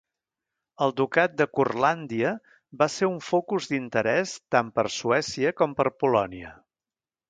El Ducat de Curlàndia va ser un focus d'interès tant per Suècia com per Polònia.